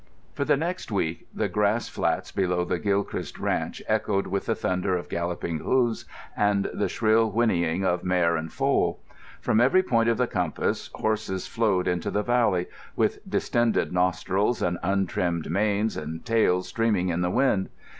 For the next week the grass flats below the Gilchrist ranch echoed with the thunder of galloping hoofs and the shrill whinnying of mare and foal. From every point of the compass horses flowed into the valley, with distended nostrils and untrimmed manes and tails streaming in the wind.